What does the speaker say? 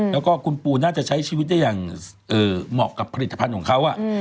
แล้วก็คุณปูน่าจะใช้ชีวิตได้อย่างเหมาะกับผลิตภัณฑ์ของเขา